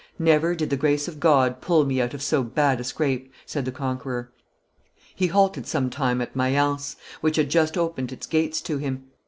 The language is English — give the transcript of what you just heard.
"Never did the grace of God pull me out of so bad a scrape," said the conqueror. He halted some time at Mayence, which had just opened its gates to him.